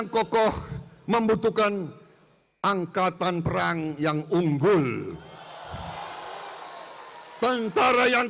kita perlu intelijens yang unggul dan jujur